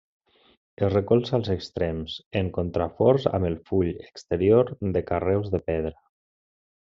Es recolza als extrems en contraforts amb el full exterior de carreus de pedra.